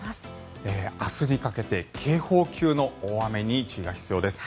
明日にかけて警報級の大雨に注意が必要です。